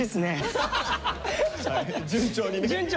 順調にね。